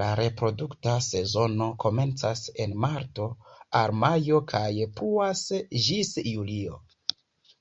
La reprodukta sezono komencas en marto al majo kaj pluas ĝis julio.